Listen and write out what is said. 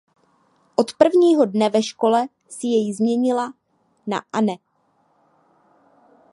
Od prvního dne ve škole si jej změnila na Anne.